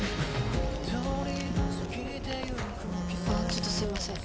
ちょっとすいません。